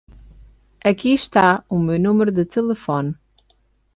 Aqui está o meu número de telefone.